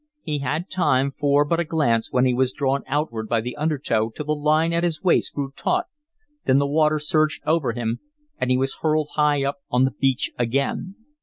He had time for but a glance when he was drawn outward by the undertow till the line at his waist grew taut, then the water surged over him and he was hurled high up on the beach again.